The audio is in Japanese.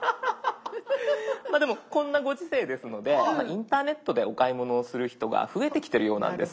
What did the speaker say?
でもこんなご時世ですのでインターネットでお買い物をする人が増えてきてるようなんです。